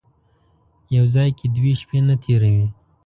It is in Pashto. یو ځای کې دوې شپې نه تېروي.